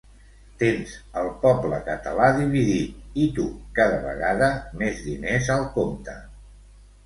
Tens el poble català dividit i tu, cada vegada més diners al compte.